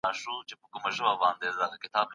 ايا سياستپوهنه په پوهنتونونو کې تدريس کېږي؟